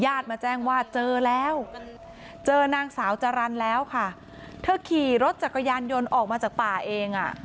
มาแจ้งว่าเจอแล้วเจอนางสาวจรรย์แล้วค่ะเธอขี่รถจักรยานยนต์ออกมาจากป่าเองอ่ะ